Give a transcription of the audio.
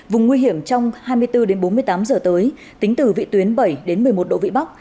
vùng nguy hiểm trong hai mươi bốn đến bốn mươi tám giờ tới tính từ vị tuyến bảy một mươi một độ vị bắc